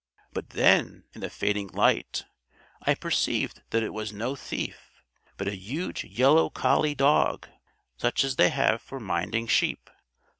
But then, in the fading light, I perceived that it was no thief, but a huge yellow collie dog, such as they have for minding sheep."